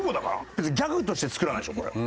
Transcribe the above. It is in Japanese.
別にギャグとして作らないでしょこれ。